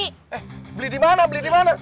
eh beli di mana beli di mana